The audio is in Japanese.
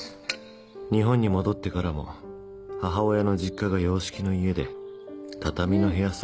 日本に戻ってからも母親の実家が洋式の家で畳の部屋さえなかった